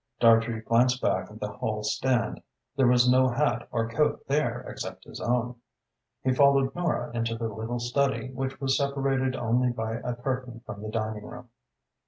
Dartrey glanced back at the hall stand. There was no hat or coat there except his own. He followed Nora into the little study, which was separated only by a curtain from the dining room.